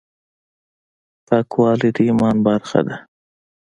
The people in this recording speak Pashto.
پاکوالی د ایمان برخه ده.